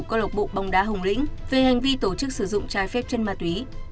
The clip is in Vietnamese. cơ lộc bộ bóng đá hùng lĩnh về hành vi tổ chức sử dụng trái phép chân ma túy